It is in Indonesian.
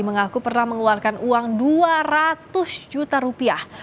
mengaku pernah mengeluarkan uang dua ratus juta rupiah